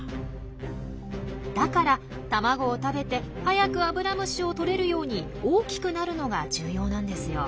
だから卵を食べて早くアブラムシをとれるように大きくなるのが重要なんですよ。